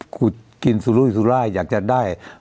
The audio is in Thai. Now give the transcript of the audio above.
ขุดกินสุรุยสุรายอยากจะได้